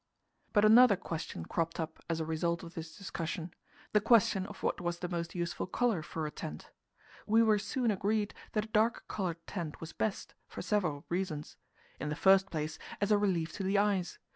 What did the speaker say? But another question cropped up as a result of this discussion the question of what was the most useful colour for a tent. We were soon agreed that a dark coloured tent was best, for several reasons: In the first place, as a relief to the eyes.